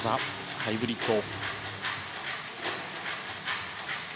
ハイブリッド。